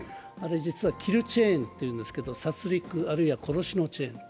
実はキルチチェーンというんですけど殺りく、あるいは殺しのチェーン。